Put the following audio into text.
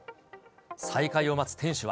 再開を待つ店主は。